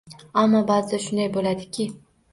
Ammo, baʼzida shunday bo‘ladiki.